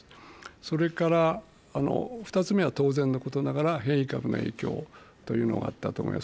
それから２つ目は当然のことながら、変異株の影響というのがあったと思います。